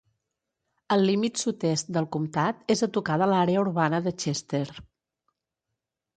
El límit sud-est del comtat és a tocar de l'àrea urbana de Chester.